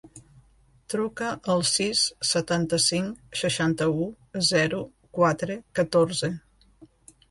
Truca al sis, setanta-cinc, seixanta-u, zero, quatre, catorze.